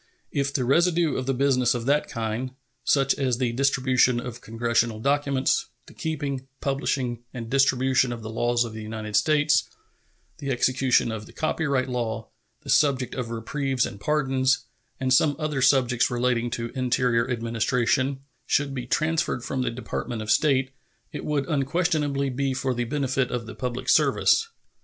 If the residue of the business of that kind such as the distribution of Congressional documents, the keeping, publishing, and distribution of the laws of the United States, the execution of the copyright law, the subject of reprieves and pardons, and some other subjects relating to interior administration should be transferred from the Department of State, it would unquestionably be for the benefit of the public service.